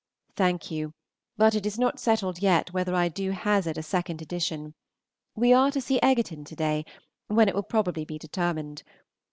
Thank you, but it is not settled yet whether I do hazard a second edition. We are to see Egerton to day, when it will probably be determined.